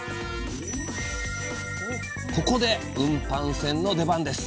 ここで運搬船の出番です。